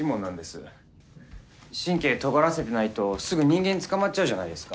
神経とがらせてないとすぐ人間に捕まっちゃうじゃないですか。